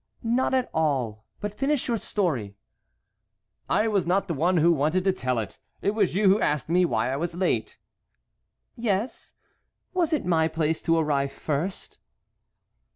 "Not at all; but finish your story." "I was not the one who wanted to tell it. It was you who asked me why I was late." "Yes; was it my place to arrive first?"